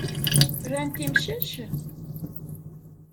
Rant imcac?